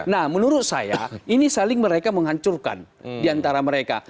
nah menurut saya ini saling mereka menghancurkan diantara mereka